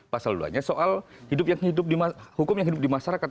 pasal dua nya soal hukum yang hidup di masyarakat